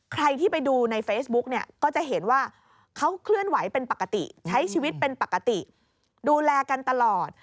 ใครที่ไปดูในเฟซบุ๊กเนี่ยก็จะเห็นว่าเขาเคลื่อนไหวเป็นปกติใช้ชีวิตเป็นปกติดูแลกันตลอด